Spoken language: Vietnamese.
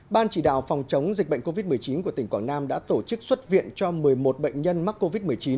ban chỉ đạo phòng chống dịch bệnh covid một mươi chín của tỉnh quảng nam đã tổ chức xuất viện cho một mươi một bệnh nhân mắc covid một mươi chín